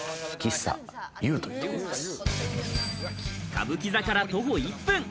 歌舞伎座から徒歩１分。